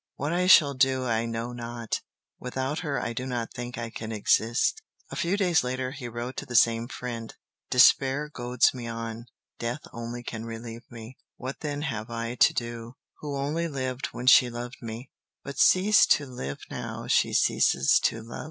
"What I shall do I know not—without her I do not think I can exist." A few days later he wrote to the same friend: "Despair goads me on—death only can relieve me. ... What then have I to do, who only lived when she loved me, but cease to live now she ceases to love?"